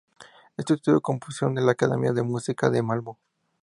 Estudió composición en la Academia de Música de Malmö.